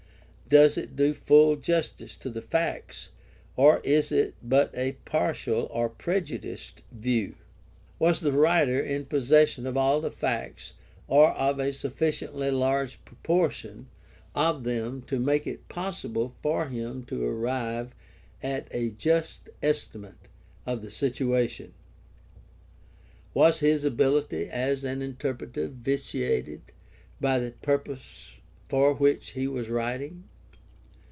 Does it do full justice to the facts, or is it but a partial or prejudiced view ? Was the writer in possession of all the facts or of a sufficiently large proportion of them to make it possible for him to arrive at a just estimate of the situation? Was his ability as an interpreter vitiated by the purpose for which he was writing?